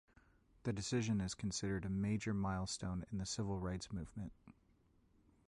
The decision is considered a major milestone in the Civil Rights Movement.